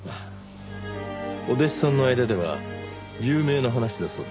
お弟子さんの間では有名な話だそうですね。